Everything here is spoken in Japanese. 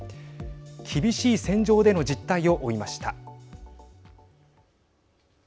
厳しい戦場での実態を追いました。